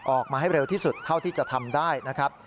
ออกมาให้เร็วที่สุดเท่าที่จะทำได้นะครับ